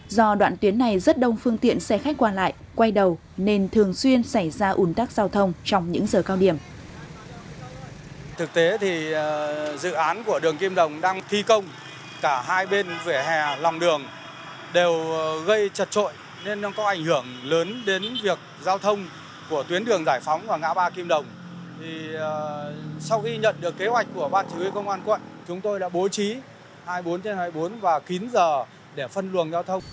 do đoạn tuyến này rất đông phương tiện xe khách qua lại quay đầu nên thường xuyên xảy ra ủn tắc giao thông trong những giờ cao điểm